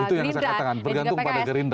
itu yang saya katakan bergantung pada gerindra